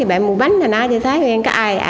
bẹ ảm mua bánh cho nó cho thấy có ai